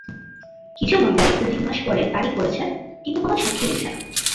কিছু মামলায় দু-তিন মাস পরে তারিখ পড়ছে, কিন্তু কোনো সাক্ষী মিলছে না।